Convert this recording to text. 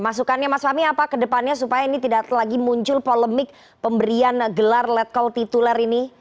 masukannya mas fahmi apa kedepannya supaya ini tidak lagi muncul polemik pemberian gelar let call tituler ini